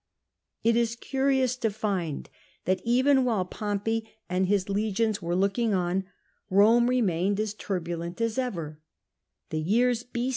It is curious to find that even while Pompey and his POMPEY MADE SOLE CONSUL 277 legions were looking on, Eome remained as turbulent as ever. The years B.